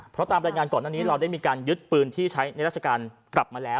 เพราะตามรายงานก่อนหน้านี้เราได้มีการยึดปืนที่ใช้ในราชการกลับมาแล้ว